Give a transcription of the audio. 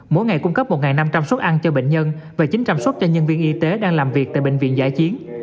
mỗi ngày cung cấp một năm trăm linh suất ăn cho bệnh nhân và chín trăm linh suất cho nhân viên y tế đang làm việc tại bệnh viện giải chiến